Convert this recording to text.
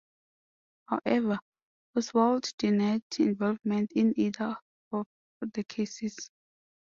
However, Oswald denied involvement in either of the cases.